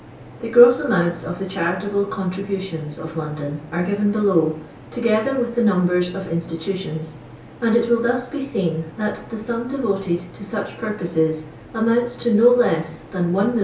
The gross amounts of the charitable contributions of London are given below, together with the num bers of institutions ; and it will thus be seen that the sum devoted to such purposes amounts to no less than 1,764,733